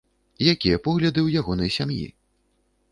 Якія погляды ў ягонай сям'і?